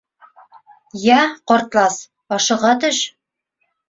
—Йә, ҡартлас, ашыға төш!